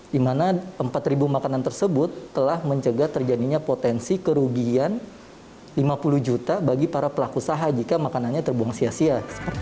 di mana empat makanan tersebut telah mencegah terjadinya potensi kerugian lima puluh juta bagi para pelaku usaha jika makanannya terbuang sia sia